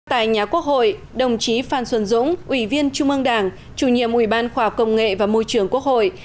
tại nhà quốc hội đồng chí phan xuân dũng ủy viên trung ương đảng chủ nhiệm ủy ban khoa học công nghệ và môi trường quốc hội